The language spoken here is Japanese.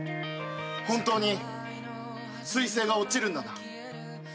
本当に彗星が落ちるんだな？